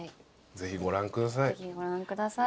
ぜひご覧ください。